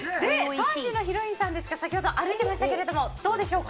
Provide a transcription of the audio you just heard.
３時のヒロインさんが先ほど歩いてましたがどうでしょうか。